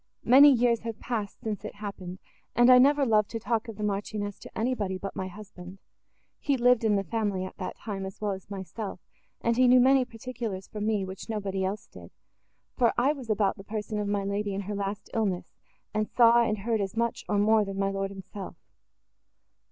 Many years have passed, since it happened; and I never loved to talk of the Marchioness to anybody, but my husband. He lived in the family, at that time, as well as myself, and he knew many particulars from me, which nobody else did; for I was about the person of my lady in her last illness, and saw and heard as much, or more than my lord himself.